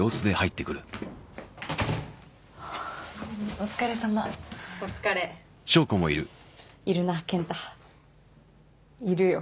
お疲れさまお疲れいるなケンタいるよ